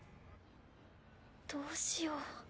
どうしよう。